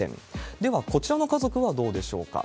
ではこちらの家族はどうでしょうか。